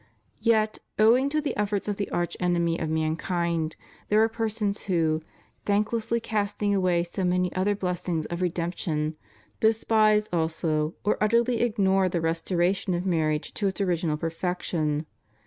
Yet, owing to the efforts of the arch enemy of mankind, there are persons who, thanklessly casting away so many other blessings of redemption, despise also or utterly ignore the restoration of marriage to its original perfection.